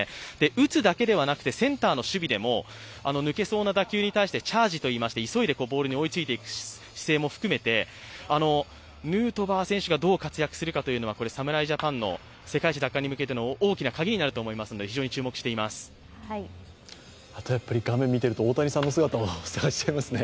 打つだけではなくてセンターの守備でも抜けそうな打球に対してチャージといって急いでボールに追いついていく姿勢も含めて、ヌートバー選手がどう活躍するのかというのが侍ジャパンの世界一奪還のカギになると思うので画面見ていると、大谷さんの姿を探しちゃいますね。